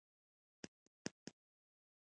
پر نیمه شپه مې غمازان آزار ویني.